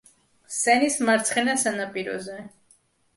სენის მარცხენა სანაპიროზე.